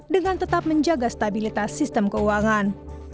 dengan tetap menjaga stabilitas sistem keuangan